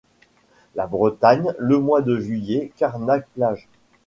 La Bretagne, le mois de juillet, Carnac-Plage.